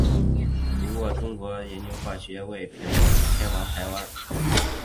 不过中央研究院迁往台湾时化学研究所并未随之迁往台湾。